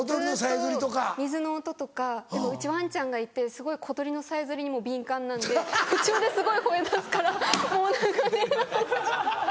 水の音とかでもうちワンちゃんがいてすごい小鳥のさえずりにもう敏感なんで途中ですごい吠えだすからもう何か寝れなくなっちゃって。